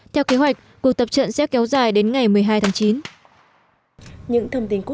theo kế hoạch cuộc tập trận sẽ kéo dài đến ngày một mươi hai tháng chín